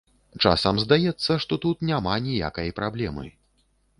Часам здаецца, што тут няма ніякай праблемы.